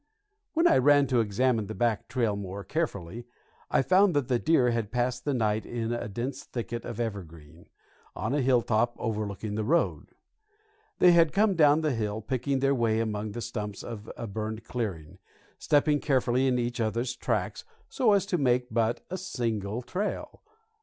When I ran to examine the back trail more carefully, I found that the deer had passed the night in a dense thicket of evergreen, on a hilltop overlooking the road. They had come down the hill, picking their way among the stumps of a burned clearing, stepping carefully in each other's tracks so as to make but a single trail.